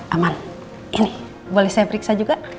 aman ini boleh saya periksa juga